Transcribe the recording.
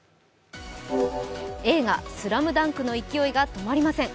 映画「ＳＬＡＭＤＵＮＫ」の勢いが止まりません。